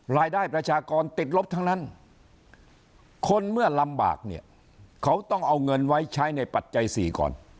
ประชากรติดลบทั้งนั้นคนเมื่อลำบากเนี่ยเขาต้องเอาเงินไว้ใช้ในปัจจัย๔ก่อน